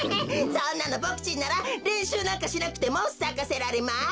そんなのボクちんなられんしゅうなんかしなくてもさかせられます。